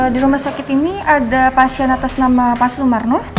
di rumah sakit ini ada pasien atas nama pak sumarno